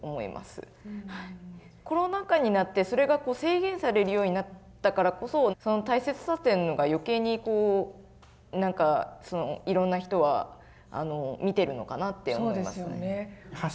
コロナ禍になってそれが制限されるようになったからこそその大切さというのが余計にこう何かいろんな人は見てるのかなって思いますね。